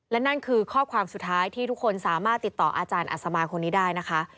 และนั่นคือข้อความสุดท้ายที่ทุกคนสามารถติดต่ออาจารย์อัศมาคนนี้ได้นะคะ